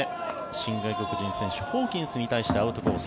新外国人選手ホーキンスに対してアウトコース